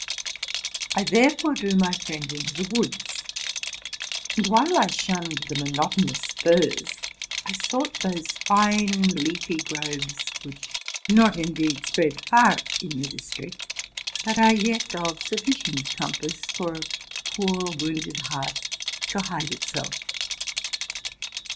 I therefore drew my friend into the woods; and, while I shunned the monotonous firs, I sought those fine leafy groves, which do not indeed spread far in the district, but are yet of sufficient compass for a poor wounded heart to hide itself.